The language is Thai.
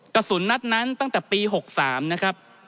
กระสุนนัดนั้นตั้งแต่ปี๖๓นะครับ